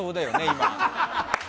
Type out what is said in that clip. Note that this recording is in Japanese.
今。